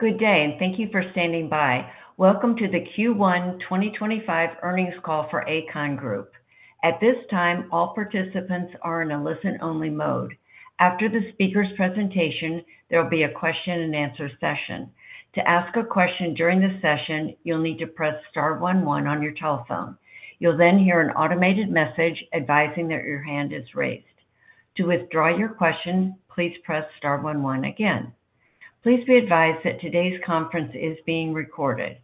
Good day, and thank you for standing by. Welcome to the Q1 2025 earnings call for Aecon Group. At this time, all participants are in a listen-only mode. After the speaker's presentation, there will be a question-and-answer session. To ask a question during the session, you'll need to press star one one on your telephone. You'll then hear an automated message advising that your hand is raised. To withdraw your question, please press star one one again. Please be advised that today's conference is being recorded.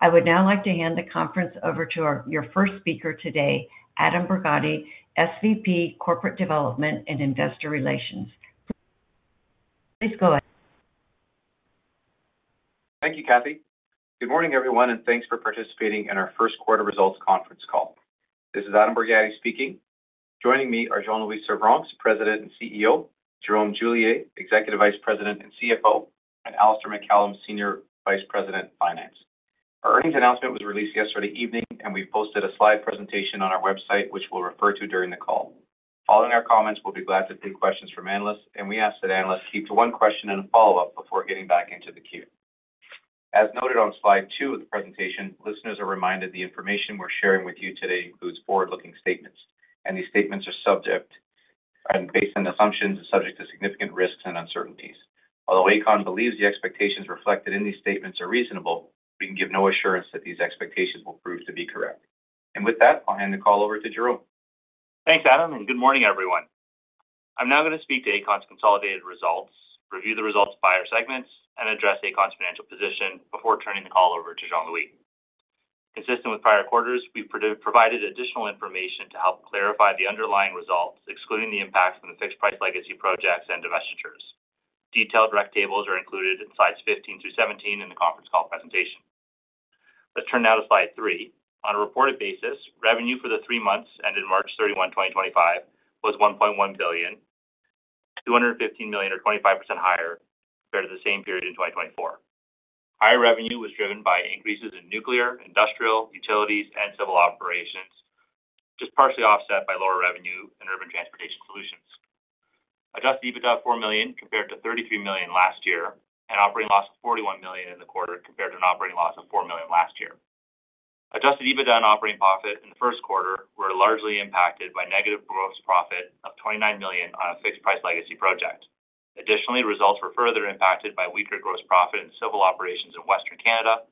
I would now like to hand the conference over to your first speaker today, Adam Borgatti, SVP, Corporate Development and Investor Relations. Please go ahead. Thank you, Kathy. Good morning, everyone, and thanks for participating in our first quarter results conference call. This is Adam Borgatti speaking. Joining me are Jean-Louis Servranckx, President and CEO, Jerome Julier, Executive Vice President and CFO, and Alistair MacCallum, Senior Vice President, Finance. Our earnings announcement was released yesterday evening, and we've posted a slide presentation on our website, which we'll refer to during the call. Following our comments, we'll be glad to take questions from analysts, and we ask that analysts keep to one question and a follow-up before getting back into the queue. As noted on slide two of the presentation, listeners are reminded the information we're sharing with you today includes forward-looking statements, and these statements are based on assumptions and subject to significant risks and uncertainties. Although Aecon believes the expectations reflected in these statements are reasonable, we can give no assurance that these expectations will prove to be correct. With that, I'll hand the call over to Jerome. Thanks, Adam, and good morning, everyone. I'm now going to speak to Aecon's consolidated results, review the results by our segments, and address Aecon's financial position before turning the call over to Jean-Louis. Consistent with prior quarters, we've provided additional information to help clarify the underlying results, excluding the impacts from the fixed-price legacy projects and divestitures. Detailed rec tables are included in slides 15 through 17 in the conference call presentation. Let's turn now to slide three. On a reported basis, revenue for the three months ended March 31, 2025, was 1.1 billion, 215 million, or 25% higher compared to the same period in 2024. Higher revenue was driven by increases in nuclear, industrial, utilities, and civil operations, just partially offset by lower revenue in urban transportation solutions. Adjusted EBITDA of 4 million compared to 33 million last year, and operating loss of 41 million in the quarter compared to an operating loss of 4 million last year. Adjusted EBITDA and operating profit in the first quarter were largely impacted by negative gross profit of 29 million on a fixed-price legacy project. Additionally, results were further impacted by weaker gross profit in civil operations in Western Canada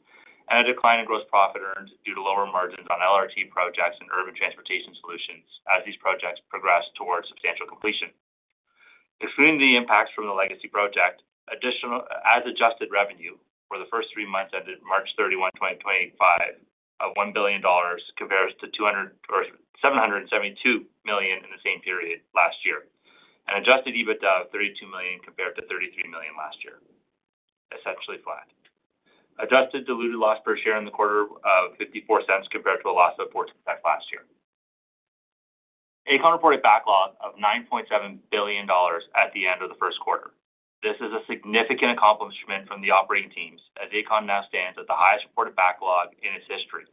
and a decline in gross profit earned due to lower margins on LRT projects and urban transportation solutions as these projects progressed towards substantial completion. Excluding the impacts from the legacy project, additional adjusted revenue for the first three months ended March 31, 2025, of 1 billion dollars compares to 772 million in the same period last year, and adjusted EBITDA of 32 million compared to 33 million last year, essentially flat. Adjusted diluted loss per share in the quarter of $0.54 compared to a loss of $0.14 last year. Aecon reported backlog of $9.7 billion at the end of the first quarter. This is a significant accomplishment from the operating teams as Aecon now stands at the highest reported backlog in its history.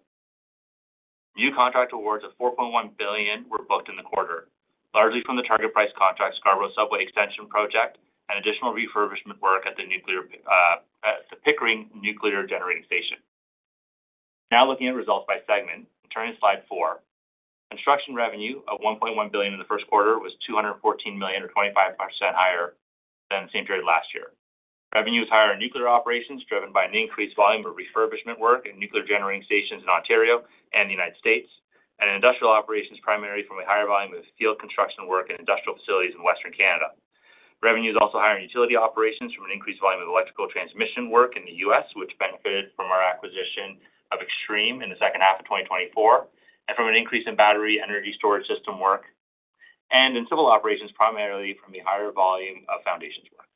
New contract awards of $4.1 billion were booked in the quarter, largely from the target price contract, Scarborough Subway Extension project, and additional refurbishment work at the Pickering Nuclear Generating Station. Now looking at results by segment, turning to slide four, construction revenue of $1.1 billion in the first quarter was $214 million, or 25% higher than the same period last year. Revenue was higher in nuclear operations driven by an increased volume of refurbishment work in nuclear generating stations in Ontario and the United States, and industrial operations primarily from a higher volume of field construction work in industrial facilities in Western Canada. Revenue was also higher in utility operations from an increased volume of electrical transmission work in the US, which benefited from our acquisition of Xtreme in the second half of 2024, and from an increase in battery energy storage system work, and in civil operations primarily from the higher volume of foundations work.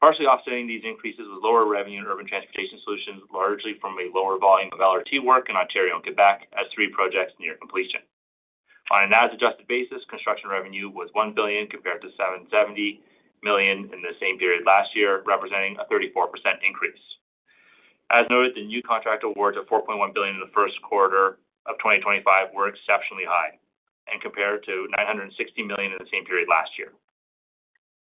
Partially offsetting these increases was lower revenue in urban transportation solutions, largely from a lower volume of LRT work in Ontario and Quebec as three projects near completion. On an as-adjusted basis, construction revenue was 1 billion compared to 770 million in the same period last year, representing a 34% increase. As noted, the new contract awards of 4.1 billion in the first quarter of 2025 were exceptionally high and compared to 960 million in the same period last year.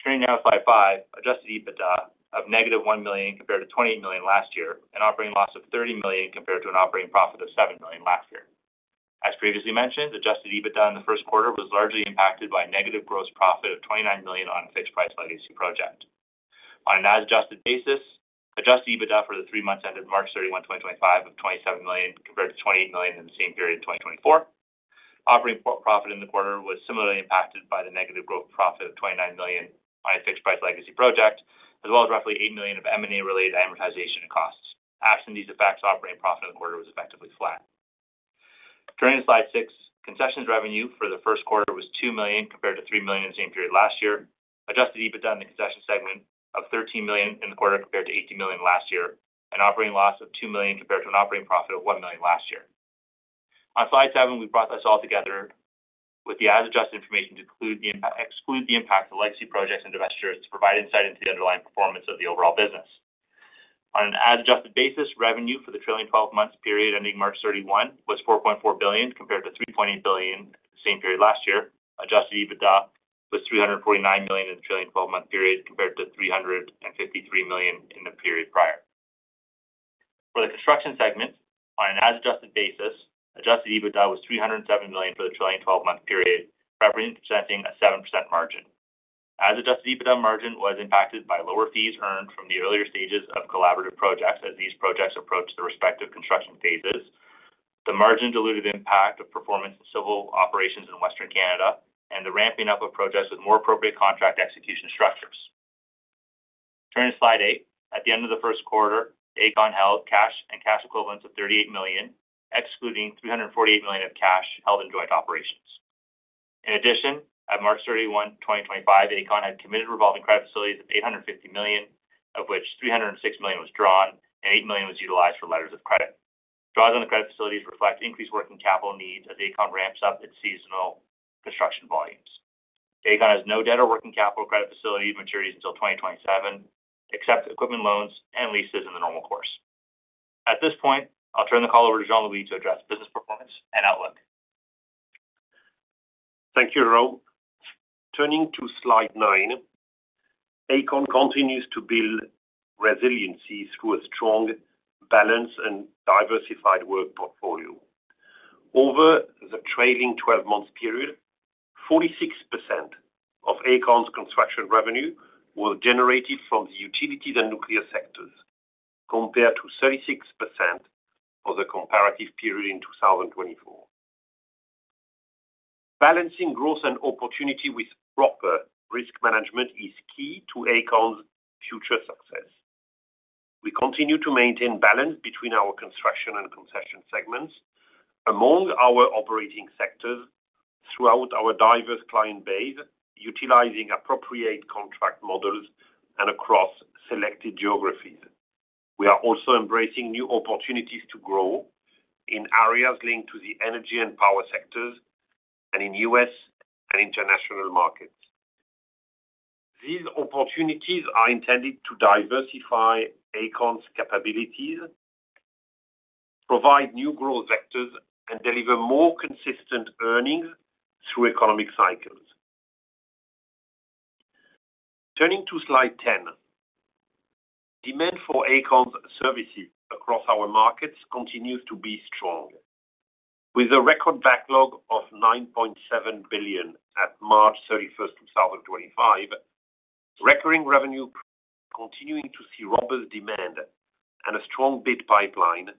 Turning now to slide five, adjusted EBITDA of negative 1 million compared to 28 million last year, and operating loss of 30 million compared to an operating profit of 7 million last year. As previously mentioned, adjusted EBITDA in the first quarter was largely impacted by negative gross profit of 29 million on a fixed-price legacy project. On an as-adjusted basis, adjusted EBITDA for the three months ended March 31, 2025, of 27 million compared to 28 million in the same period in 2024. Operating profit in the quarter was similarly impacted by the negative gross profit of 29 million on a fixed-price legacy project, as well as roughly 8 million of M&A-related amortization costs. Absent these effects, operating profit in the quarter was effectively flat. Turning to slide six, concessions revenue for the first quarter was 2 million compared to 3 million in the same period last year. Adjusted EBITDA in the concession segment of 13 million in the quarter compared to 18 million last year, and operating loss of 2 million compared to an operating profit of 1 million last year. On slide seven, we brought this all together with the as-adjusted information to exclude the impact of legacy projects and divestitures to provide insight into the underlying performance of the overall business. On an as-adjusted basis, revenue for the trailing 12-month period ending March 31 was 4.4 billion compared to 3.8 billion in the same period last year. Adjusted EBITDA was 349 million in the trailing 12-month period compared to 353 million in the period prior. For the construction segment, on an as-adjusted basis, adjusted EBITDA was 307 million for the trailing 12-month period, representing a 7% margin. As-adjusted EBITDA margin was impacted by lower fees earned from the earlier stages of collaborative projects as these projects approached the respective construction phases, the margin-diluted impact of performance in civil operations in Western Canada, and the ramping up of projects with more appropriate contract execution structures. Turning to slide eight, at the end of the first quarter, Aecon held cash and cash equivalents of 38 million, excluding 348 million of cash held in joint operations. In addition, at March 31, 2025, Aecon had committed revolving credit facilities of 850 million, of which 306 million was drawn and 8 million was utilized for letters of credit. Draws on the credit facilities reflect increased working capital needs as Aecon ramps up its seasonal construction volumes. Aecon has no debt or working capital credit facility maturities until 2027, except equipment loans and leases in the normal course. At this point, I'll turn the call over to Jean-Louis to address business performance and outlook. Thank you, Jerome. Turning to slide nine, Aecon continues to build resiliency through a strong balance and diversified work portfolio. Over the trailing 12-month period, 46% of Aecon's construction revenue was generated from the utility and nuclear sectors, compared to 36% for the comparative period in 2024. Balancing growth and opportunity with proper risk management is key to Aecon's future success. We continue to maintain balance between our construction and concession segments among our operating sectors throughout our diverse client base, utilizing appropriate contract models and across selected geographies. We are also embracing new opportunities to grow in areas linked to the energy and power sectors and in US and international markets. These opportunities are intended to diversify Aecon's capabilities, provide new growth vectors, and deliver more consistent earnings through economic cycles. Turning to slide ten, demand for Aecon's services across our markets continues to be strong. With a record backlog of 9.7 billion at March 31, 2025, recurring revenue continuing to see robust demand and a strong bid pipeline,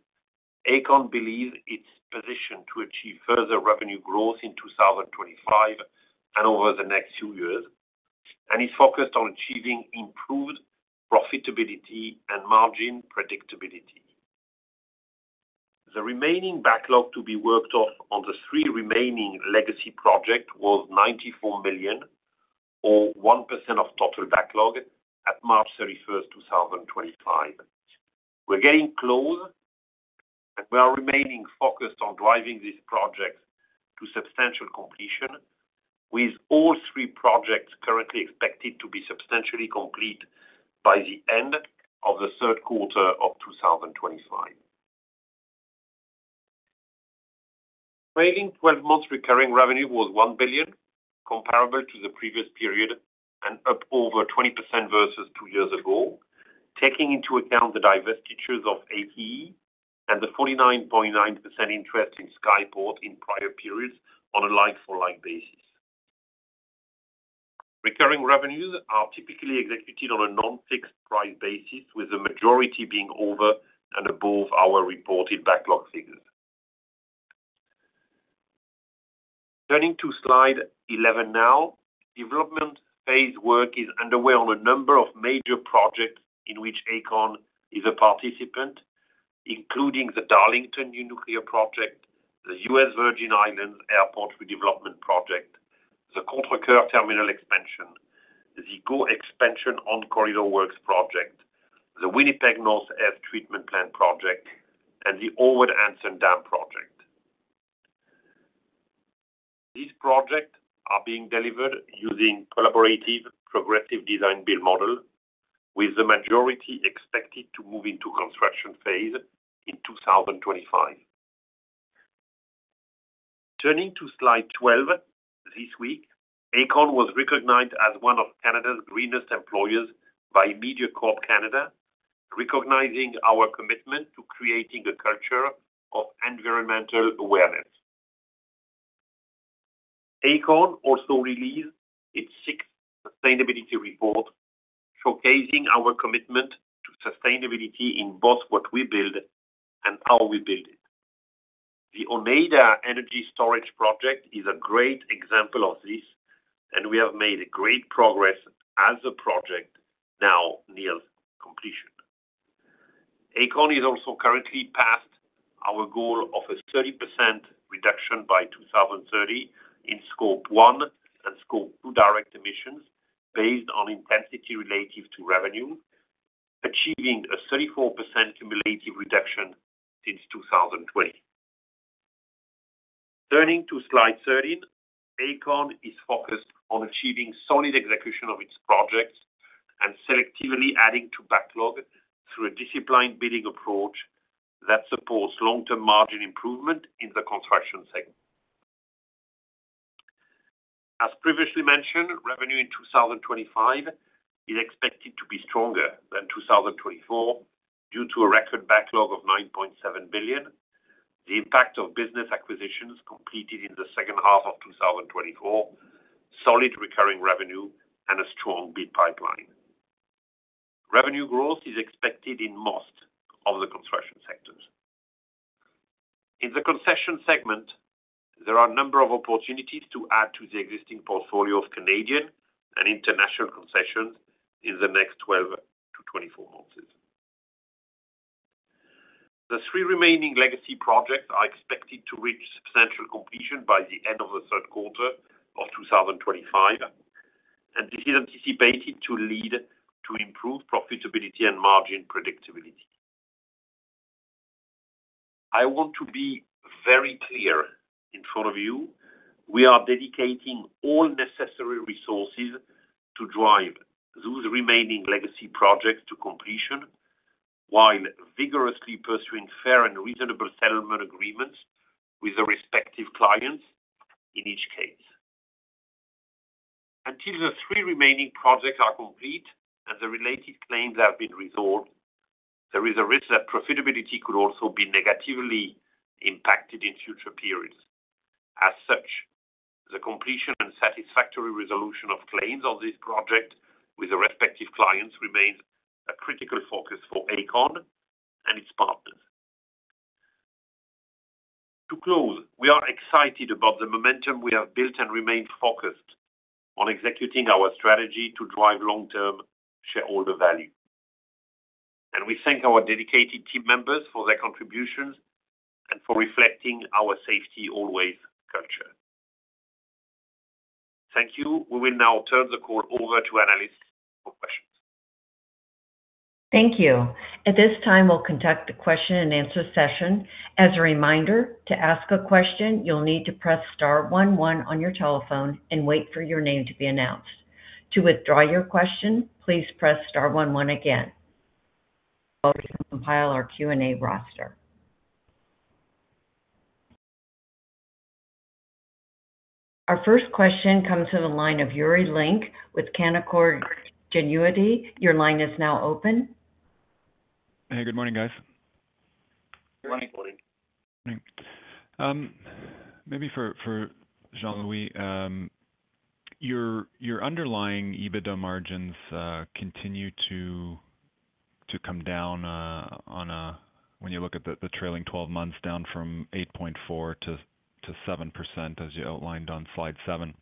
Aecon believes its position to achieve further revenue growth in 2025 and over the next few years, and is focused on achieving improved profitability and margin predictability. The remaining backlog to be worked off on the three remaining legacy projects was 94 million, or 1% of total backlog, at March 31, 2025. We're getting close, and we are remaining focused on driving these projects to substantial completion, with all three projects currently expected to be substantially complete by the end of the third quarter of 2025. Trailing 12-month recurring revenue was 1 billion, comparable to the previous period and up over 20% versus two years ago, taking into account the divestitures of ATE and the 49.9% interest in Skyport in prior periods on a like-for-like basis. Recurring revenues are typically executed on a non-fixed-price basis, with the majority being over and above our reported backlog figures. Turning to slide 11 now, development phase work is underway on a number of major projects in which Aecon is a participant, including the Darlington New Nuclear Project, the US Virgin Islands Airport Redevelopment Project, the Contrecœur Terminal Expansion, the GO Expansion On-Corridor Works Project, the Winnipeg North End Treatment Plant Project, and the Horwood and Anson Dam Project. These projects are being delivered using a collaborative progressive design-build model, with the majority expected to move into construction phase in 2025. Turning to slide 12, this week, Aecon was recognized as one of Canada's Greenest Employers by Mediacorp Canada, recognizing our commitment to creating a culture of environmental awareness. Aecon also released its sixth sustainability report, showcasing our commitment to sustainability in both what we build and how we build it. The Oneida Energy Storage Project is a great example of this, and we have made great progress as a project now near completion. Aecon is also currently past our goal of a 30% reduction by 2030 in Scope 1 and Scope 2 direct emissions based on intensity relative to revenue, achieving a 34% cumulative reduction since 2020. Turning to slide 13, Aecon is focused on achieving solid execution of its projects and selectively adding to backlog through a disciplined bidding approach that supports long-term margin improvement in the construction segment. As previously mentioned, revenue in 2025 is expected to be stronger than 2024 due to a record backlog of 9.7 billion, the impact of business acquisitions completed in the second half of 2024, solid recurring revenue, and a strong bid pipeline. Revenue growth is expected in most of the construction sectors. In the concession segment, there are a number of opportunities to add to the existing portfolio of Canadian and international concessions in the next 12-24 months. The three remaining legacy projects are expected to reach substantial completion by the end of the third quarter of 2025, and this is anticipated to lead to improved profitability and margin predictability. I want to be very clear in front of you. We are dedicating all necessary resources to drive those remaining legacy projects to completion while vigorously pursuing fair and reasonable settlement agreements with the respective clients in each case. Until the three remaining projects are complete and the related claims have been resolved, there is a risk that profitability could also be negatively impacted in future periods. As such, the completion and satisfactory resolution of claims on this project with the respective clients remains a critical focus for Aecon and its partners. To close, we are excited about the momentum we have built and remain focused on executing our strategy to drive long-term shareholder value. We thank our dedicated team members for their contributions and for reflecting our safety-always culture. Thank you. We will now turn the call over to analysts for questions. Thank you. At this time, we'll conduct the question-and-answer session. As a reminder, to ask a question, you'll need to press star one one on your telephone and wait for your name to be announced. To withdraw your question, please press star one one again. We'll compile our Q&A roster. Our first question comes from the line of Yuri Lynk with Canaccord Genuity. Your line is now open. Hey, good morning, guys. Good morning, Jerome. Morning. Maybe for Jean-Louis, your underlying EBITDA margins continue to come down when you look at the trailing 12 months, down from 8.4%-7%, as you outlined on slide seven.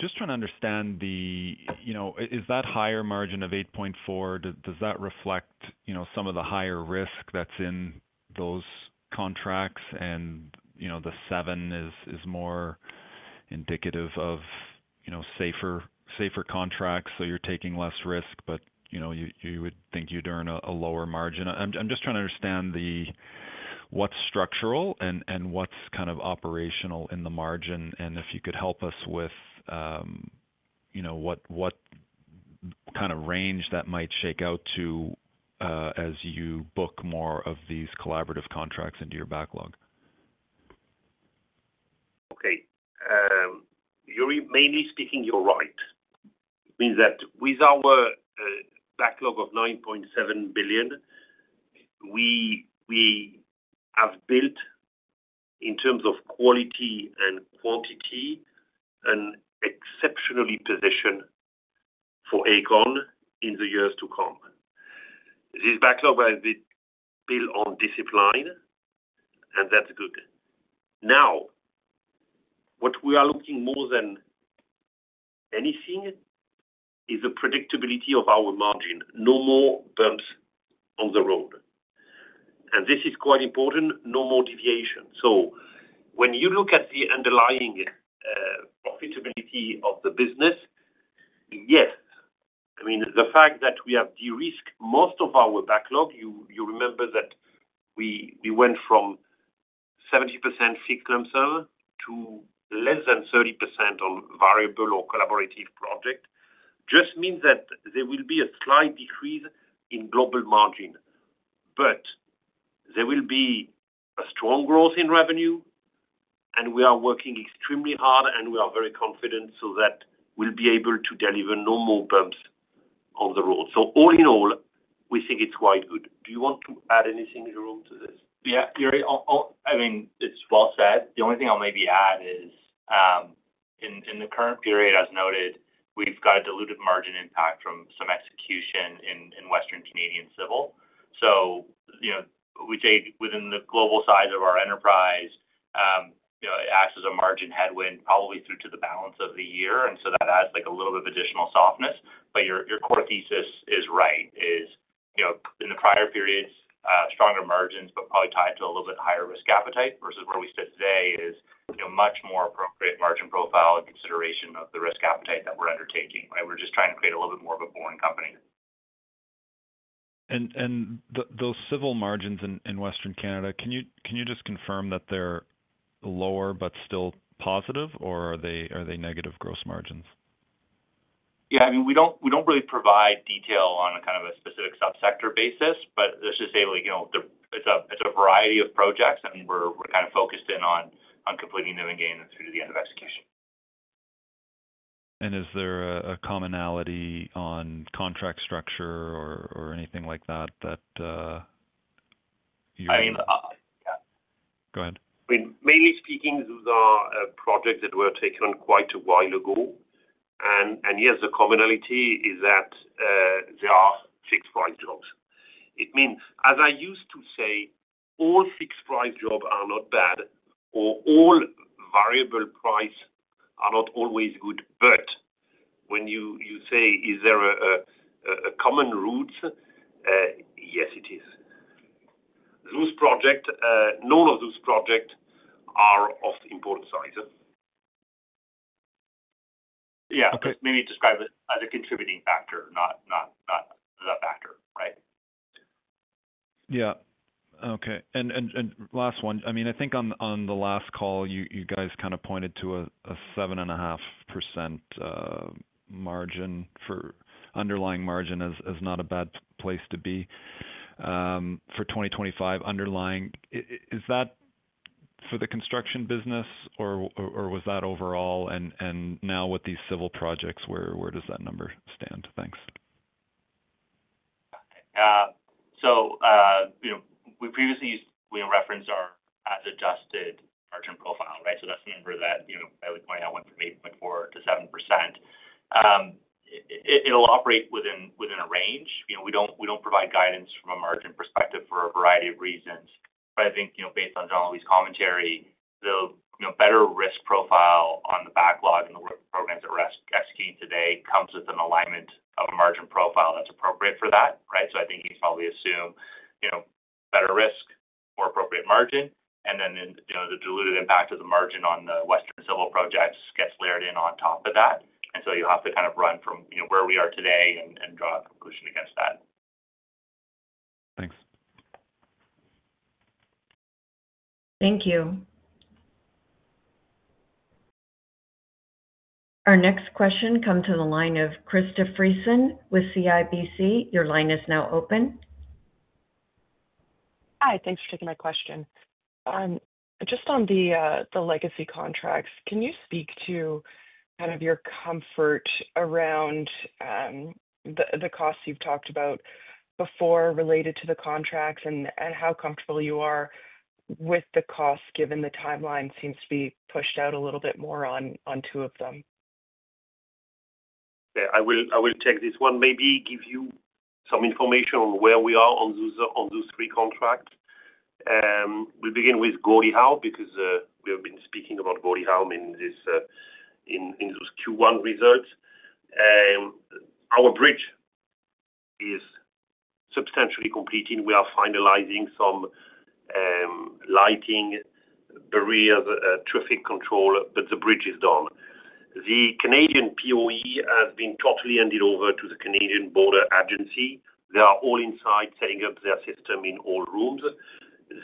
Just trying to understand, is that higher margin of 8.4%, does that reflect some of the higher risk that's in those contracts? And the 7% is more indicative of safer contracts, so you're taking less risk, but you would think you'd earn a lower margin. I'm just trying to understand what's structural and what's kind of operational in the margin, and if you could help us with what kind of range that might shake out to as you book more of these collaborative contracts into your backlog. Okay. Yuri, mainly speaking, you're right. It means that with our backlog of 9.7 billion, we have built, in terms of quality and quantity, an exceptional position for Aecon in the years to come. This backlog has been built on discipline, and that's good. Now, what we are looking at more than anything is the predictability of our margin. No more bumps on the road. This is quite important. No more deviation. When you look at the underlying profitability of the business, yes. I mean, the fact that we have de-risked most of our backlog—you remember that we went from 70% fixed lump sum to less than 30% on variable or collaborative projects—just means that there will be a slight decrease in global margin. There will be a strong growth in revenue, and we are working extremely hard, and we are very confident so that we'll be able to deliver no more bumps on the road. All in all, we think it's quite good. Do you want to add anything, Jerome, to this? Yeah. I mean, it's well said. The only thing I'll maybe add is, in the current period, as noted, we've got a diluted margin impact from some execution in Western Canadian civil. We take within the global size of our enterprise, it acts as a margin headwind probably through to the balance of the year. That adds a little bit of additional softness. Your core thesis is right, in the prior periods, stronger margins, but probably tied to a little bit higher risk appetite versus where we sit today is a much more appropriate margin profile and consideration of the risk appetite that we're undertaking, right? We're just trying to create a little bit more of a boring company. Those civil margins in Western Canada, can you just confirm that they're lower but still positive, or are they negative gross margins? Yeah. I mean, we do not really provide detail on a kind of a specific subsector basis, but let's just say it is a variety of projects, and we are kind of focused in on completing them and getting them through to the end of execution. Is there a commonality on contract structure or anything like that that you're? I mean. Go ahead. I mean, mainly speaking, those are projects that were taken on quite a while ago. Yes, the commonality is that they are fixed-price jobs. It means, as I used to say, all fixed-price jobs are not bad, or all variable prices are not always good. When you say, "Is there a common root?" Yes, it is. Those projects, none of those projects are of important size. Yeah. Just maybe describe it as a contributing factor, not the factor, right? Yeah. Okay. And last one. I mean, I think on the last call, you guys kind of pointed to a 7.5% underlying margin as not a bad place to be for 2025 underlying. Is that for the construction business, or was that overall? And now with these civil projects, where does that number stand? Thanks. We previously referenced our as-adjusted margin profile, right? That is the number that I was pointing out went from 8.4% to 7%. It will operate within a range. We do not provide guidance from a margin perspective for a variety of reasons. I think based on Jean-Louis's commentary, the better risk profile on the backlog and the programs at risk executed today comes with an alignment of a margin profile that is appropriate for that, right? I think you should probably assume better risk, more appropriate margin, and then the diluted impact of the margin on the Western civil projects gets layered in on top of that. You will have to kind of run from where we are today and draw a conclusion against that. Thanks. Thank you. Our next question comes from the line of Kristin Friesen with CIBC. Your line is now open. Hi. Thanks for taking my question. Just on the legacy contracts, can you speak to kind of your comfort around the costs you've talked about before related to the contracts and how comfortable you are with the costs given the timeline seems to be pushed out a little bit more on two of them? Yeah. I will take this one. Maybe give you some information on where we are on those three contracts. We'll begin with Gordie Howe because we have been speaking about Gordie Howe in those Q1 results. Our bridge is substantially completing. We are finalizing some lighting, barriers, traffic control, but the bridge is done. The Canadian POE has been totally handed over to the Canadian Border Agency. They are all inside setting up their system in all rooms.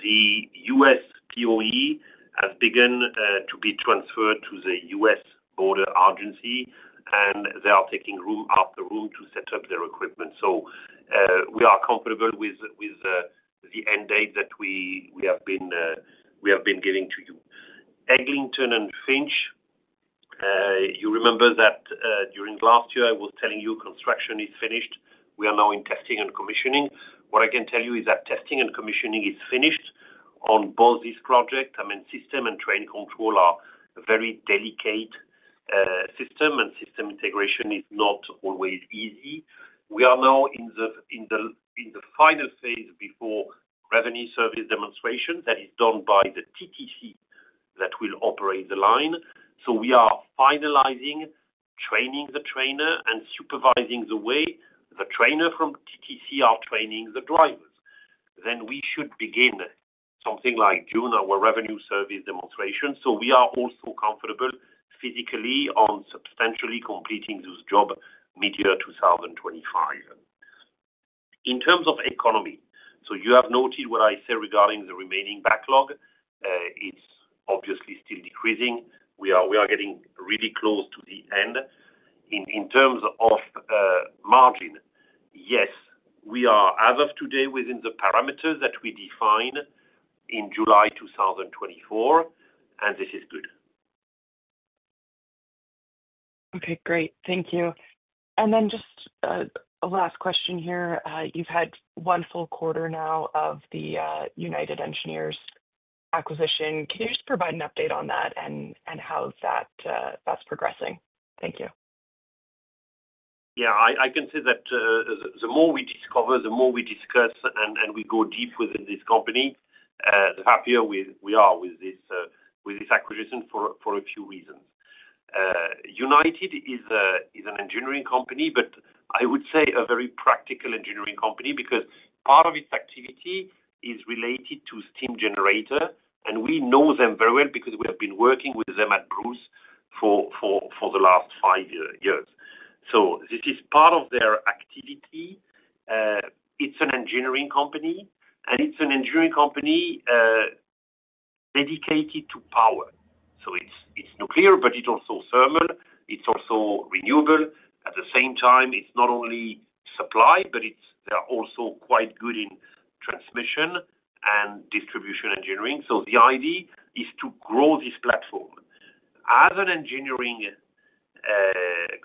The U.S. POE has begun to be transferred to the U.S. Border Agency, and they are taking room after room to set up their equipment. We are comfortable with the end date that we have been giving to you. Eglinton and Finch, you remember that during last year, I was telling you construction is finished. We are now in testing and commissioning. What I can tell you is that testing and commissioning is finished on both these projects. I mean, system and train control are very delicate systems, and system integration is not always easy. We are now in the final phase before revenue service demonstrations that is done by the TTC that will operate the line. We are finalizing, training the trainer, and supervising the way the trainer from TTC are training the drivers. We should begin something like June, our revenue service demonstration. We are also comfortable physically on substantially completing those jobs mid-year 2025. In terms of economy, you have noted what I said regarding the remaining backlog. It is obviously still decreasing. We are getting really close to the end. In terms of margin, yes, we are as of today within the parameters that we defined in July 2024, and this is good. Okay. Great. Thank you. Just a last question here. You've had one full quarter now of the United Engineers acquisition. Can you just provide an update on that and how that's progressing? Thank you. Yeah. I can say that the more we discover, the more we discuss, and we go deep within this company, the happier we are with this acquisition for a few reasons. United is an engineering company, but I would say a very practical engineering company because part of its activity is related to steam generator. We know them very well because we have been working with them at Bruce for the last five years. This is part of their activity. It's an engineering company, and it's an engineering company dedicated to power. It's nuclear, but it's also thermal. It's also renewable. At the same time, it's not only supply, but they are also quite good in transmission and distribution engineering. The idea is to grow this platform as an engineering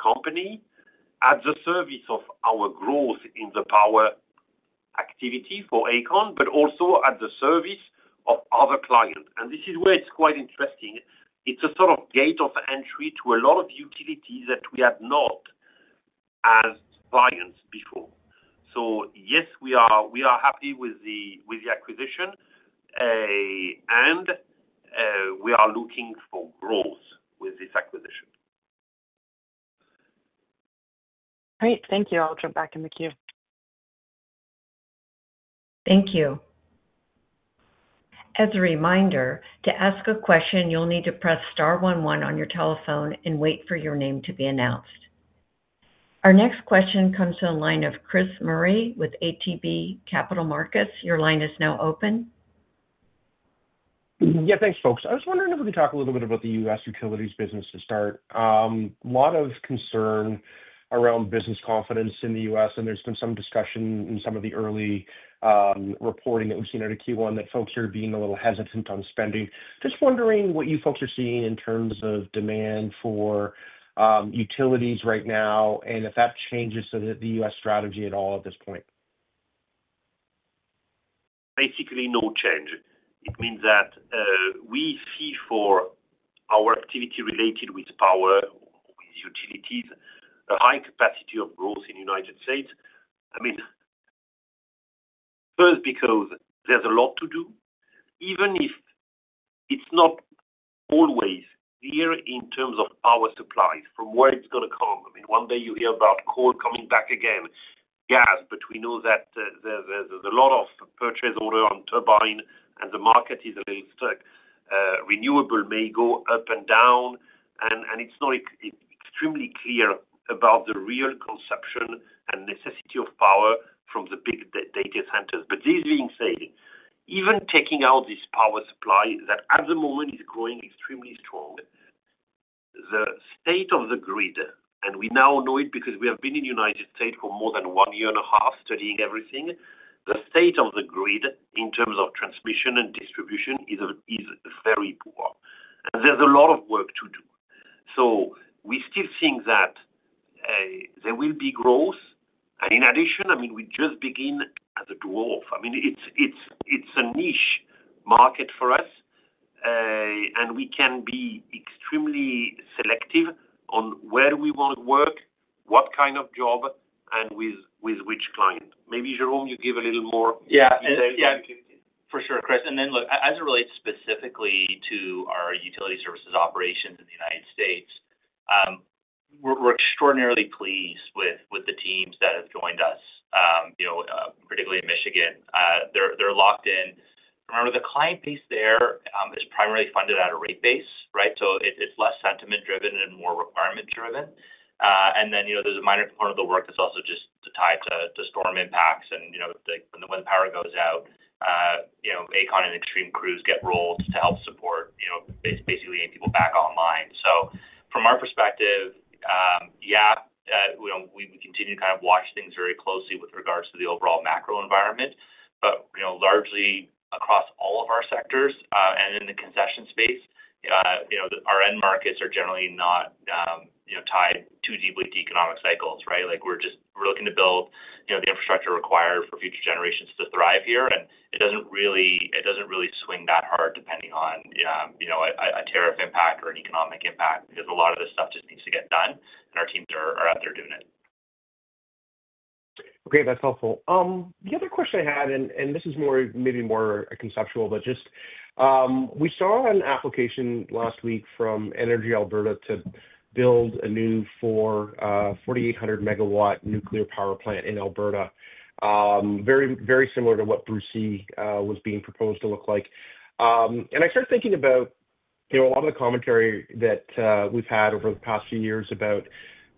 company at the service of our growth in the power activity for Aecon, but also at the service of other clients. This is where it's quite interesting. It's a sort of gate of entry to a lot of utilities that we had not as clients before. Yes, we are happy with the acquisition, and we are looking for growth with this acquisition. Great. Thank you. I'll jump back in the queue. Thank you. As a reminder, to ask a question, you'll need to press star one one on your telephone and wait for your name to be announced. Our next question comes from the line of Chris Murray with ATB Capital Markets. Your line is now open. Yeah. Thanks, folks. I was wondering if we could talk a little bit about the US utilities business to start. A lot of concern around business confidence in the US, and there's been some discussion in some of the early reporting that we've seen out of Q1 that folks are being a little hesitant on spending. Just wondering what you folks are seeing in terms of demand for utilities right now and if that changes the US strategy at all at this point. Basically, no change. It means that we see for our activity related with power, with utilities, a high capacity of growth in the United States. I mean, first, because there's a lot to do. Even if it's not always clear in terms of power supplies, from where it's going to come. I mean, one day you hear about coal coming back again, gas, but we know that there's a lot of purchase order on turbine, and the market is a little stuck. Renewable may go up and down, and it's not extremely clear about the real consumption and necessity of power from the big data centers. That being said, even taking out this power supply that at the moment is growing extremely strong, the state of the grid, and we now know it because we have been in the United States for more than one year and a half studying everything, the state of the grid in terms of transmission and distribution is very poor. There is a lot of work to do. We still think that there will be growth. In addition, I mean, we just begin as a dwarf. I mean, it is a niche market for us, and we can be extremely selective on where we want to work, what kind of job, and with which client. Maybe, Jerome, you give a little more detail. Yeah. Yeah. For sure, Chris. As it relates specifically to our utility services operations in the United States, we're extraordinarily pleased with the teams that have joined us, particularly in Michigan. They're locked in. Remember, the client base there is primarily funded out of rate base, right? It is less sentiment-driven and more requirement-driven. There is a minor component of the work that's also just tied to storm impacts and when the power goes out, Aecon and Xtreme get rolled to help support basically getting people back online. From our perspective, yeah, we continue to kind of watch things very closely with regards to the overall macro environment, but largely across all of our sectors. In the concession space, our end markets are generally not tied too deeply to economic cycles, right? We're looking to build the infrastructure required for future generations to thrive here, and it doesn't really swing that hard depending on a tariff impact or an economic impact because a lot of this stuff just needs to get done, and our teams are out there doing it. Okay. That's helpful. The other question I had, and this is maybe more conceptual, but just we saw an application last week from Energy Alberta to build a new 4,800-MW nuclear power plant in Alberta, very similar to what Bruce C. was being proposed to look like. I started thinking about a lot of the commentary that we've had over the past few years about,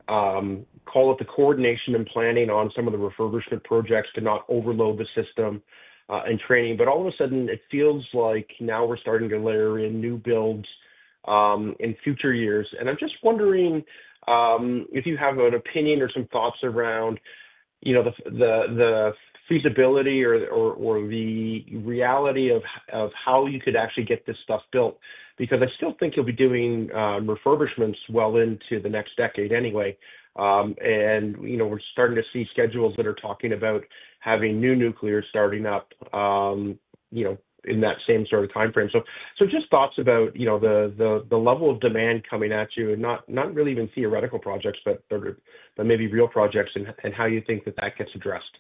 call it the coordination and planning on some of the refurbishment projects to not overload the system and training. All of a sudden, it feels like now we're starting to layer in new builds in future years. I'm just wondering if you have an opinion or some thoughts around the feasibility or the reality of how you could actually get this stuff built because I still think you'll be doing refurbishments well into the next decade anyway. We're starting to see schedules that are talking about having new nuclear starting up in that same sort of time frame. Just thoughts about the level of demand coming at you, not really even theoretical projects, but maybe real projects, and how you think that that gets addressed.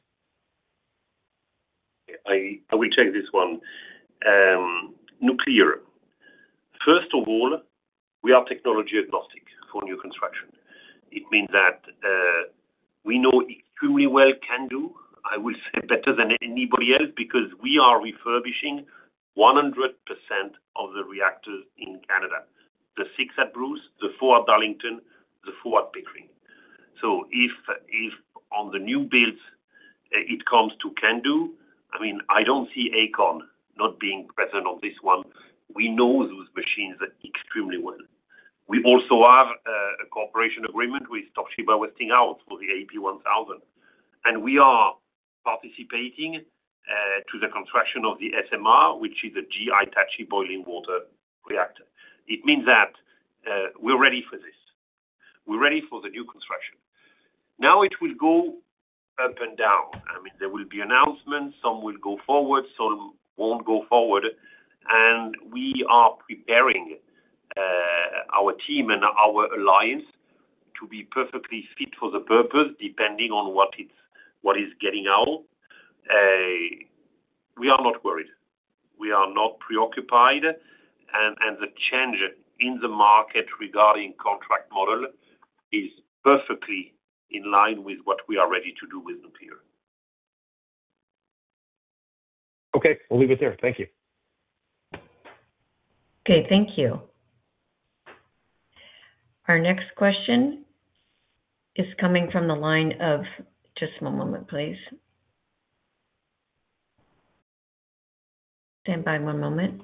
I will take this one. Nuclear. First of all, we are technology agnostic for new construction. It means that we know extremely well CANDU, I will say better than anybody else because we are refurbishing 100% of the reactors in Canada. The six at Bruce, the four at Darlington, the four at Pickering. If on the new builds, it comes to CANDU, I mean, I do not see Aecon not being present on this one. We know those machines extremely well. We also have a cooperation agreement with Toshiba Westinghouse for the AP1000. We are participating in the construction of the SMR, which is a GE Hitachi Boiling Water Reactor. It means that we are ready for this. We are ready for the new construction. It will go up and down. There will be announcements. Some will go forward. Some will not go forward. We are preparing our team and our alliance to be perfectly fit for the purpose depending on what is getting out. We are not worried. We are not preoccupied. The change in the market regarding contract model is perfectly in line with what we are ready to do with nuclear. Okay. We'll leave it there. Thank you. Okay. Thank you. Our next question is coming from the line of just one moment, please. Stand by one moment.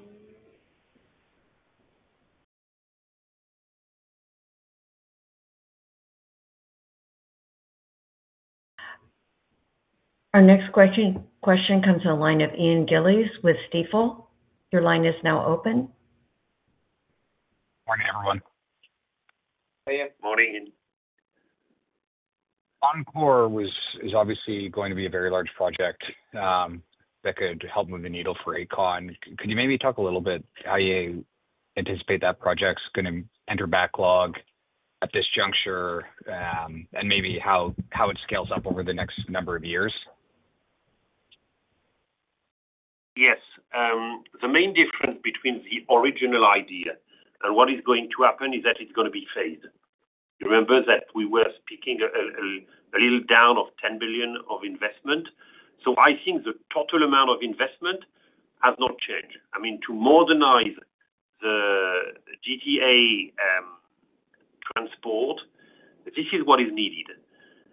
Our next question comes from the line of Ian Gillies with Stifel. Your line is now open. Morning, everyone. Hey. Good morning. OnCorr is obviously going to be a very large project that could help move the needle for Aecon. Could you maybe talk a little bit how you anticipate that project's going to enter backlog at this juncture and maybe how it scales up over the next number of years? Yes. The main difference between the original idea and what is going to happen is that it's going to be phased. Remember that we were speaking a little down of 10 billion of investment. I think the total amount of investment has not changed. I mean, to modernize the GTA transport, this is what is needed.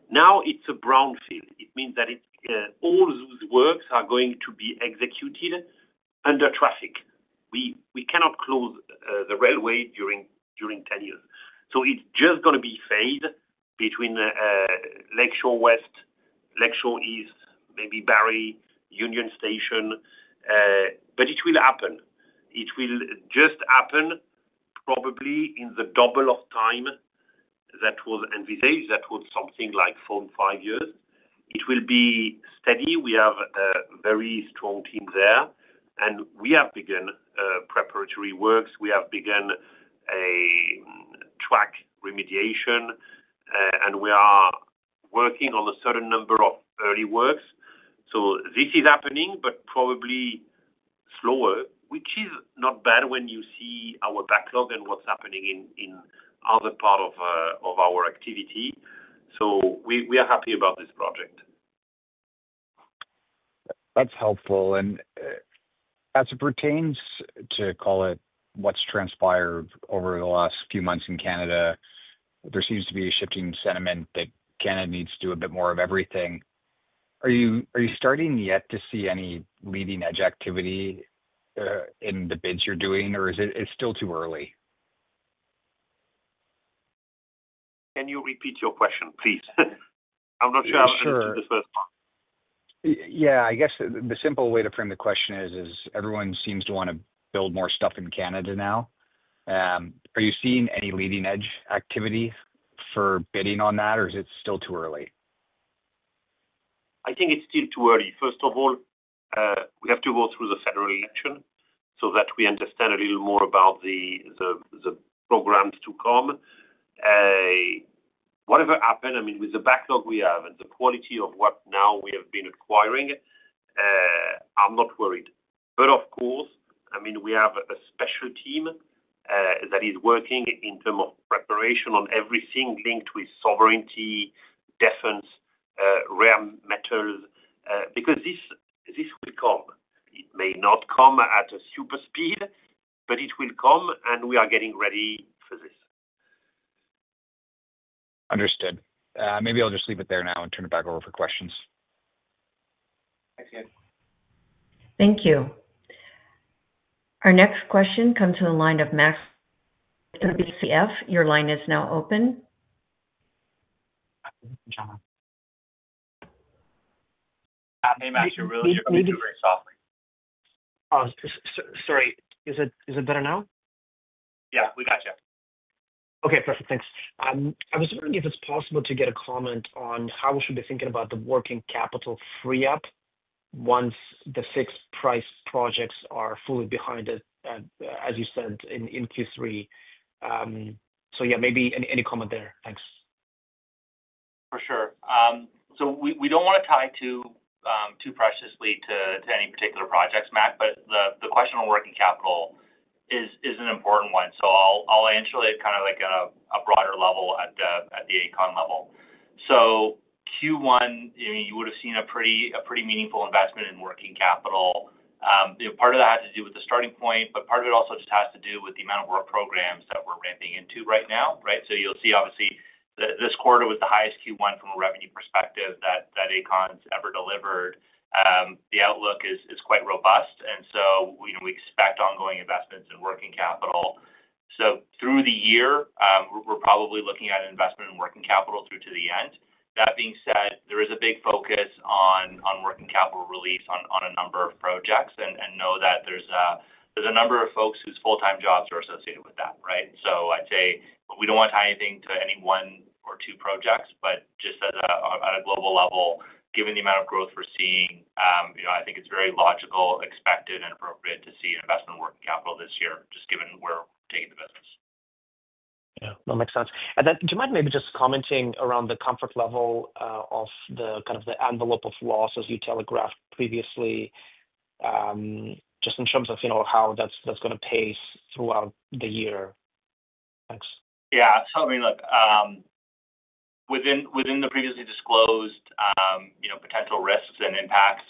Now it's a brownfield. It means that all those works are going to be executed under traffic. We cannot close the railway during 10 years. It's just going to be phased between Lakeshore West, Lakeshore East, maybe Barrie, Union Station. It will happen. It will just happen probably in double the time that was envisaged, that was something like four or five years. It will be steady. We have a very strong team there. We have begun preparatory works. We have begun a track remediation, and we are working on a certain number of early works. This is happening, but probably slower, which is not bad when you see our backlog and what is happening in other parts of our activity. We are happy about this project. That's helpful. As it pertains to, call it, what's transpired over the last few months in Canada, there seems to be a shifting sentiment that Canada needs to do a bit more of everything. Are you starting yet to see any leading-edge activity in the bids you're doing, or is it still too early? Can you repeat your question, please? I'm not sure I understood the first part. Sure. Yeah. I guess the simple way to frame the question is everyone seems to want to build more stuff in Canada now. Are you seeing any leading-edge activity for bidding on that, or is it still too early? I think it's still too early. First of all, we have to go through the federal election so that we understand a little more about the programs to come. Whatever happens, I mean, with the backlog we have and the quality of what now we have been acquiring, I'm not worried. I mean, we have a special team that is working in terms of preparation on everything linked with sovereignty, defense, rare metals, because this will come. It may not come at a super speed, but it will come, and we are getting ready for this. Understood. Maybe I'll just leave it there now and turn it back over for questions. Thanks, Ian. Thank you. Our next question comes from the line of Maxim Sytchev from National Bank Financial. Your line is now open. Hey, Max. You're really doing very softly. Sorry. Is it better now? Yeah. We got you. Okay. Perfect. Thanks. I was wondering if it's possible to get a comment on how we should be thinking about the working capital free-up once the fixed-price projects are fully behind it, as you said, in Q3. Yeah, maybe any comment there. Thanks. For sure. We do not want to tie too preciously to any particular projects, Mac, but the question on working capital is an important one. I will answer it kind of like at a broader level at the Aecon level. Q1, you would have seen a pretty meaningful investment in working capital. Part of that has to do with the starting point, but part of it also just has to do with the amount of work programs that we are ramping into right now, right? You will see, obviously, this quarter was the highest Q1 from a revenue perspective that Aecon has ever delivered. The outlook is quite robust, and we expect ongoing investments in working capital. Through the year, we are probably looking at investment in working capital through to the end. That being said, there is a big focus on working capital release on a number of projects, and know that there's a number of folks whose full-time jobs are associated with that, right? I'd say we don't want to tie anything to any one or two projects, but just at a global level, given the amount of growth we're seeing, I think it's very logical, expected, and appropriate to see an investment in working capital this year, just given where we're taking the business. Yeah. That makes sense. Do you mind maybe just commenting around the comfort level of kind of the envelope of loss, as you telegraphed previously, just in terms of how that's going to pace throughout the year? Thanks. Yeah. I mean, look, within the previously disclosed potential risks and impacts,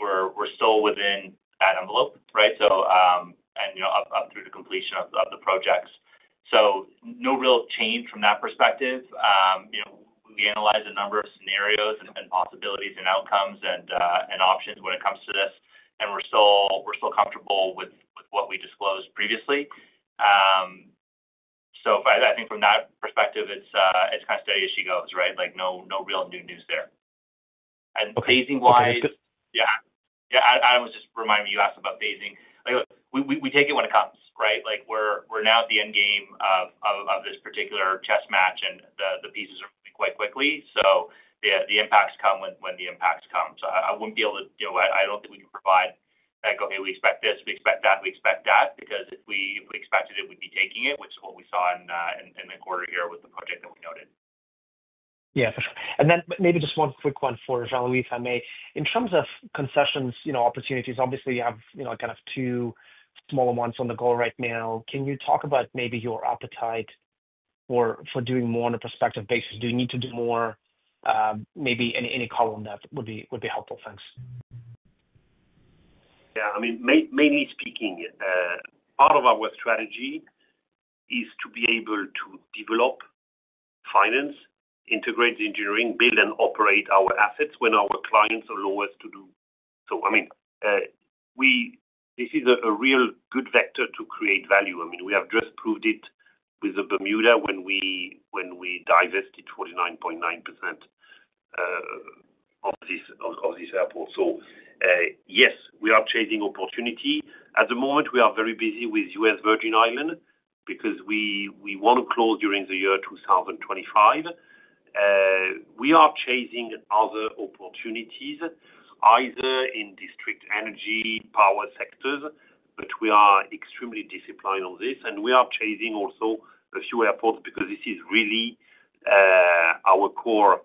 we're still within that envelope, right? Up through the completion of the projects. No real change from that perspective. We analyze a number of scenarios and possibilities and outcomes and options when it comes to this, and we're still comfortable with what we disclosed previously. I think from that perspective, it's kind of steady as she goes, right? No real new news there. Phasing-wise. Okay. That's good. Yeah. Yeah. Adam was just reminding me you asked about phasing. We take it when it comes, right? We're now at the end game of this particular chess match, and the pieces are moving quite quickly. The impacts come when the impacts come. I don't think we can provide like, "Okay, we expect this. We expect that. We expect that," because if we expected it, we'd be taking it, which is what we saw in the quarter here with the project that we noted. Yeah. Maybe just one quick one for Jean-Louis, if I may. In terms of concessions opportunities, obviously, you have kind of two smaller ones on the go right now. Can you talk about maybe your appetite for doing more on a prospective basis? Do you need to do more? Maybe any color on that would be helpful. Thanks. Yeah. I mean, mainly speaking, part of our strategy is to be able to develop, finance, integrate the engineering, build, and operate our assets when our clients allow us to do so. I mean, this is a real good vector to create value. I mean, we have just proved it with Bermuda when we divested 49.9% of this airport. Yes, we are chasing opportunity. At the moment, we are very busy with US Virgin Islands because we want to close during the year 2025. We are chasing other opportunities, either in district energy, power sectors, but we are extremely disciplined on this. We are chasing also a few airports because this is really our core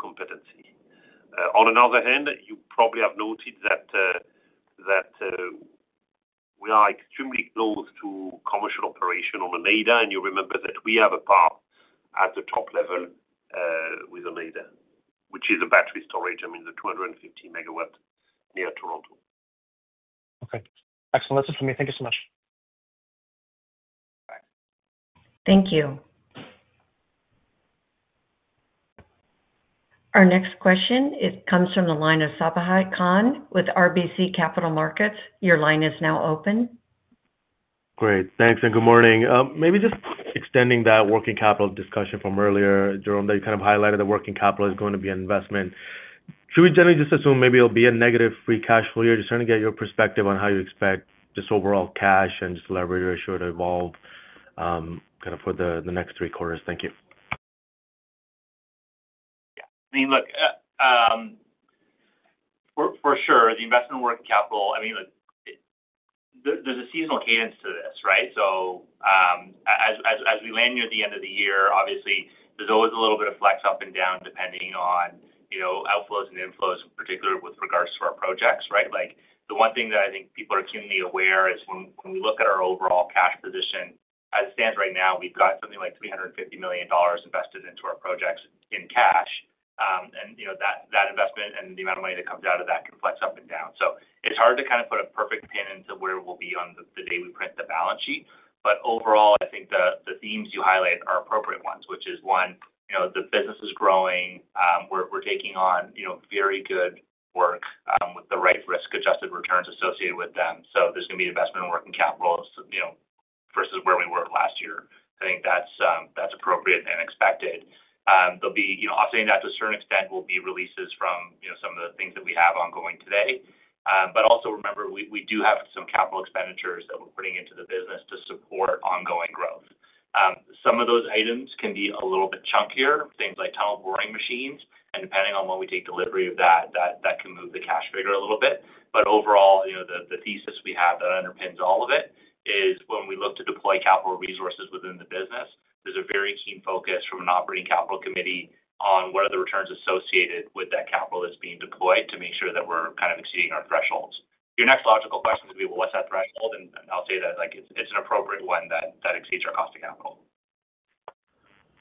competency. On another hand, you probably have noted that we are extremely close to commercial operation on Oneida, and you remember that we have a path at the top level with Oneida, which is a battery storage, I mean, the 250 MW near Toronto. Okay. Excellent. That's it for me. Thank you so much. All right. Thank you. Our next question comes from the line of Sabahat Khan with RBC Capital Markets. Your line is now open. Great. Thanks. Good morning. Maybe just extending that working capital discussion from earlier, Jerome, you kind of highlighted that working capital is going to be an investment. Should we generally just assume maybe it'll be a negative free cash flow here? Just trying to get your perspective on how you expect just overall cash and just leverage ratio to evolve kind of for the next three quarters. Thank you. Yeah. I mean, look, for sure, the investment in working capital, I mean, there's a seasonal cadence to this, right? As we land near the end of the year, obviously, there's always a little bit of flex up and down depending on outflows and inflows, in particular, with regards to our projects, right? The one thing that I think people are keenly aware is when we look at our overall cash position, as it stands right now, we've got something like 350 million dollars invested into our projects in cash. That investment and the amount of money that comes out of that can flex up and down. It's hard to kind of put a perfect pin into where we'll be on the day we print the balance sheet. Overall, I think the themes you highlight are appropriate ones, which is, one, the business is growing. We're taking on very good work with the right risk-adjusted returns associated with them. There is going to be investment in working capital versus where we were last year. I think that's appropriate and expected. I'll say that to a certain extent there will be releases from some of the things that we have ongoing today. Also remember, we do have some capital expenditures that we're putting into the business to support ongoing growth. Some of those items can be a little bit chunkier, things like tunnel boring machines. Depending on when we take delivery of that, that can move the cash figure a little bit. Overall, the thesis we have that underpins all of it is when we look to deploy capital resources within the business, there's a very keen focus from an operating capital committee on what are the returns associated with that capital that's being deployed to make sure that we're kind of exceeding our thresholds. Your next logical question is going to be, well, what's that threshold? I'll say that it's an appropriate one that exceeds our cost of capital.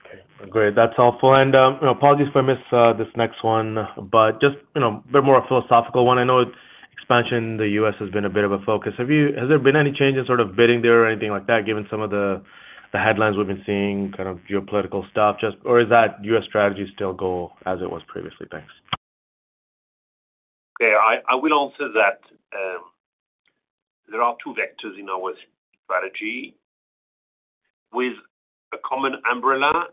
Okay. Great. That's helpful. Apologies for missing this next one, but just a bit more philosophical one. I know expansion in the US has been a bit of a focus. Has there been any change in sort of bidding there or anything like that, given some of the headlines we've been seeing, kind of geopolitical stuff? Is that US strategy still goal as it was previously? Thanks. Okay. I will answer that. There are two vectors in our strategy. With a common umbrella,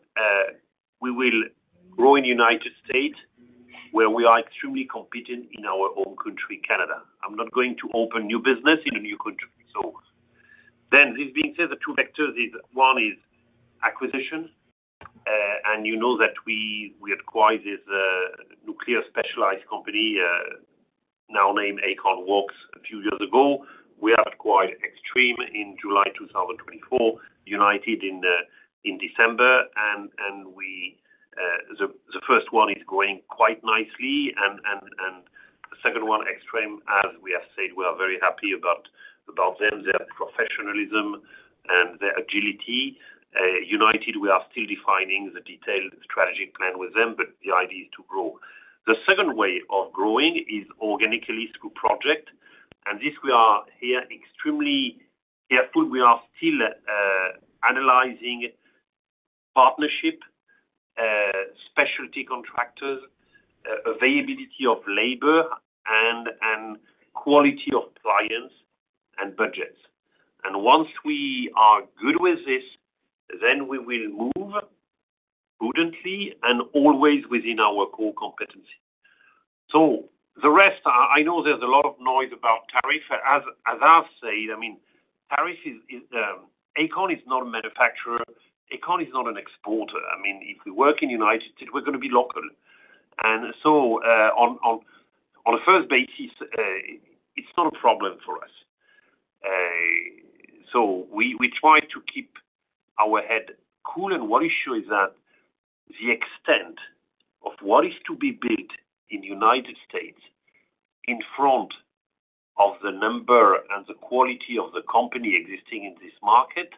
we will grow in the United States, where we are extremely competent in our own country, Canada. I'm not going to open new business in a new country. This being said, the two vectors is one is acquisition. You know that we acquired this nuclear specialized company, now named Aecon-Wachs, a few years ago. We have acquired Xtreme in July 2024, United in December. The first one is growing quite nicely. The second one, Xtreme, as we have said, we are very happy about them. They have professionalism and their agility. United, we are still defining the detailed strategic plan with them, but the idea is to grow. The second way of growing is organically through projects. We are here extremely careful. We are still analyzing partnership, specialty contractors, availability of labor, and quality of clients and budgets. Once we are good with this, we will move prudently and always within our core competency. The rest, I know there's a lot of noise about tariff. As I've said, I mean, tariff is Aecon is not a manufacturer. Aecon is not an exporter. I mean, if we work in the United States, we're going to be local. On a first basis, it's not a problem for us. We try to keep our head cool. What issue is that the extent of what is to be built in the United States in front of the number and the quality of the company existing in this market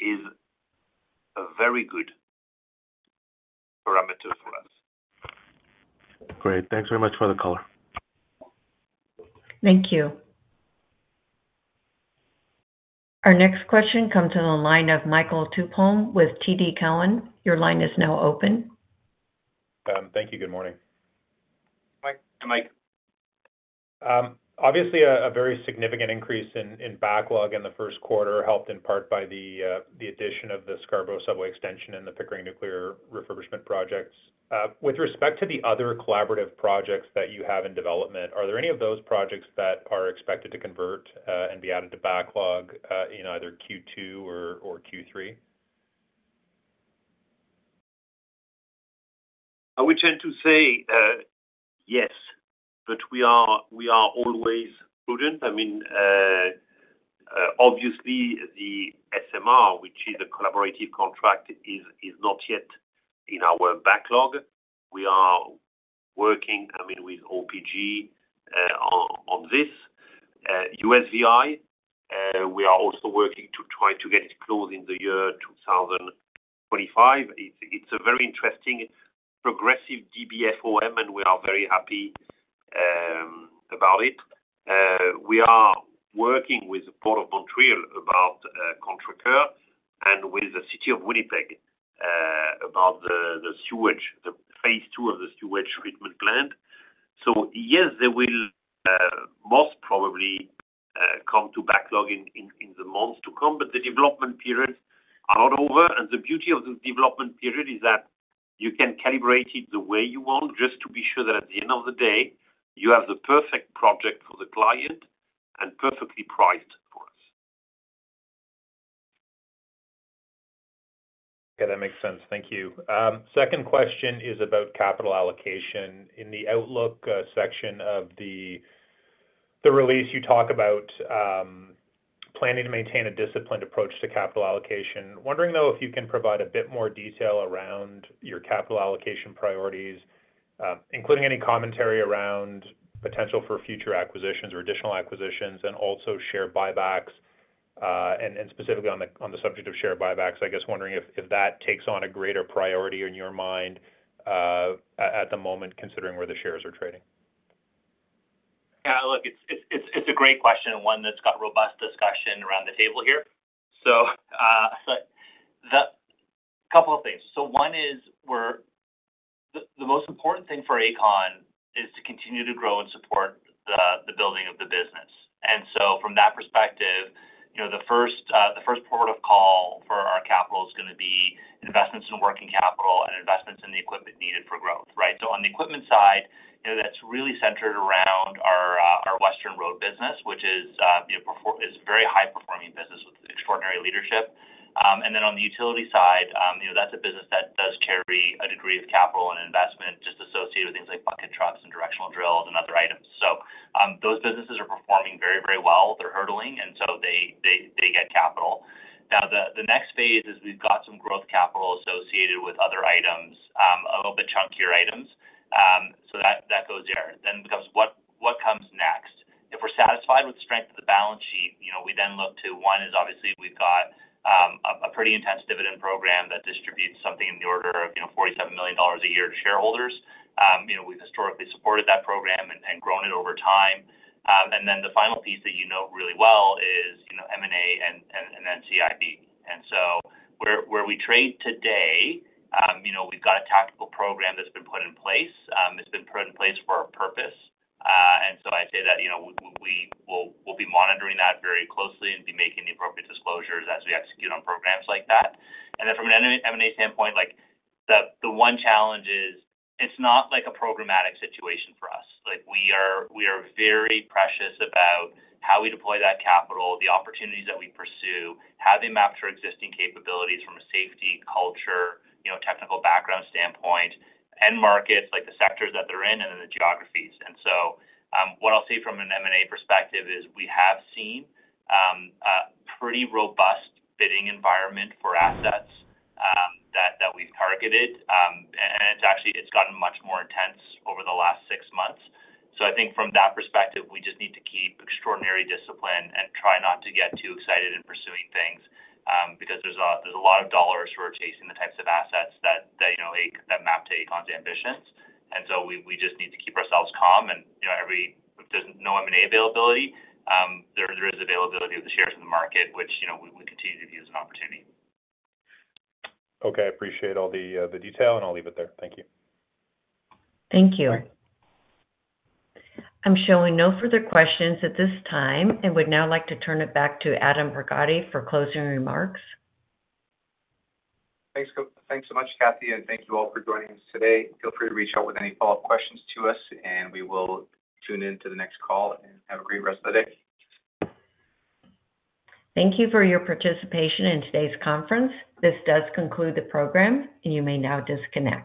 is a very good parameter for us. Great. Thanks very much for the color. Thank you. Our next question comes from the line of Michael Tupholme with TD Cowen. Your line is now open. Thank you. Good morning. Hi. I'm Mike. Obviously, a very significant increase in backlog in the first quarter helped in part by the addition of the Scarborough Subway extension and the Pickering Nuclear Refurbishment Projects. With respect to the other collaborative projects that you have in development, are there any of those projects that are expected to convert and be added to backlog in either Q2 or Q3? I would tend to say yes, but we are always prudent. I mean, obviously, the SMR, which is a collaborative contract, is not yet in our backlog. We are working, I mean, with OPG on this. USVI, we are also working to try to get it closed in the year 2025. It is a very interesting progressive DBFOM, and we are very happy about it. We are working with the Port of Montreal about Contrecœur and with the City of Winnipeg about the sewage, the phase two of the sewage treatment plant. Yes, they will most probably come to backlog in the months to come, but the development periods are not over. The beauty of the development period is that you can calibrate it the way you want just to be sure that at the end of the day, you have the perfect project for the client and perfectly priced for us. Okay. That makes sense. Thank you. Second question is about capital allocation. In the outlook section of the release, you talk about planning to maintain a disciplined approach to capital allocation. Wondering, though, if you can provide a bit more detail around your capital allocation priorities, including any commentary around potential for future acquisitions or additional acquisitions and also share buybacks, and specifically on the subject of share buybacks. I guess wondering if that takes on a greater priority in your mind at the moment, considering where the shares are trading. Yeah. Look, it's a great question and one that's got robust discussion around the table here. A couple of things. One is the most important thing for Aecon is to continue to grow and support the building of the business. From that perspective, the first port of call for our capital is going to be investments in working capital and investments in the equipment needed for growth, right? On the equipment side, that's really centered around our Western Road business, which is a very high-performing business with extraordinary leadership. On the utility side, that's a business that does carry a degree of capital and investment just associated with things like bucket trucks and directional drills and other items. Those businesses are performing very, very well. They're hurdling, and so they get capital. Now, the next phase is we've got some growth capital associated with other items, a little bit chunkier items. That goes there. It becomes, what comes next? If we're satisfied with the strength of the balance sheet, we then look to one is obviously we've got a pretty intense dividend program that distributes something in the order of 47 million dollars a year to shareholders. We've historically supported that program and grown it over time. The final piece that you know really well is M&A and then NCIB. Where we trade today, we've got a tactical program that's been put in place. It's been put in place for a purpose. I'd say that we'll be monitoring that very closely and be making the appropriate disclosures as we execute on programs like that. From an M&A standpoint, the one challenge is it's not like a programmatic situation for us. We are very precious about how we deploy that capital, the opportunities that we pursue, how they map to our existing capabilities from a safety culture, technical background standpoint, and markets like the sectors that they're in and then the geographies. What I'll say from an M&A perspective is we have seen a pretty robust bidding environment for assets that we've targeted. It's actually gotten much more intense over the last six months. I think from that perspective, we just need to keep extraordinary discipline and try not to get too excited in pursuing things because there's a lot of dollars for chasing the types of assets that map to Aecon's ambitions. We just need to keep ourselves calm. If there is no M&A availability, there is availability of the shares in the market, which we continue to view as an opportunity. Okay. I appreciate all the detail, and I'll leave it there. Thank you. Thank you. I'm showing no further questions at this time and would now like to turn it back to Adam Borgatti for closing remarks. Thanks so much, Kathy. Thank you all for joining us today. Feel free to reach out with any follow-up questions to us, and we will tune in to the next call. Have a great rest of the day. Thank you for your participation in today's conference. This does conclude the program, and you may now disconnect.